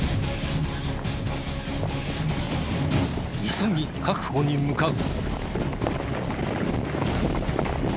急ぎ確保に向かう。